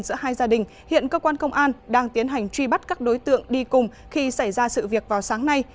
giữa hai gia đình hiện cơ quan công an đang tiến hành truy bắt các đối tượng đi cùng khi xảy ra sự việc vào sáng nay